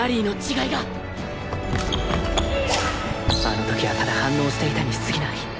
あの時はただ反応していたにすぎない。